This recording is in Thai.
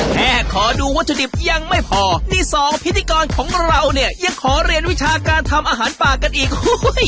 แค่ขอดูวัตถุดิบยังไม่พอนี่สองพิธีกรของเราเนี่ยยังขอเรียนวิชาการทำอาหารป่ากันอีก